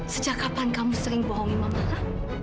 sejak kapan kamu sering bohongin mama ha